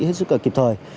hết sức kịp thời